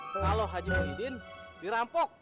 kalau haji muhyiddin dirampok